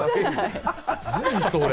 何それ？